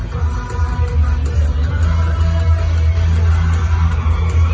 สวัสดีครับ